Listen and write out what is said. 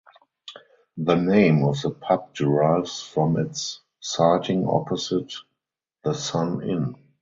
The name of the pub derives from its siting opposite the Sun Inn.